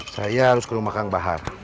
saya harus ke rumah kang bahar